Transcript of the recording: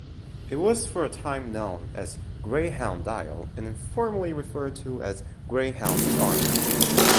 It was for a time known as Greyhound-Dial, and informally referred to as Greyhound-Armour.